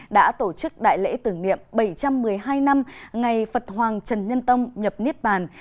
đã tổ chức đại lễ tưởng niệm bảy trăm một mươi hai năm ngày phật hoàng trần nhân tông nhập niết bàn